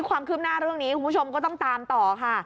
ความคืบหน้าเรื่องนี้คุณผู้ชมก็ต้องตามต่อค่ะ